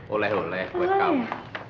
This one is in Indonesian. oleh oleh buat kamu